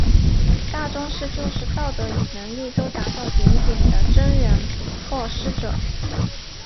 大宗师就是道德与能力都达到顶点的真人或师者。